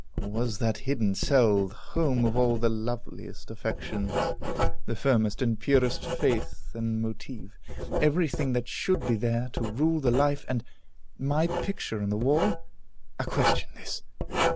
Or was that hidden cell the home of all the loveliest affections, the firmest and purest faith and motive, every thing that should be there to rule the life and my picture on the wall? A question this.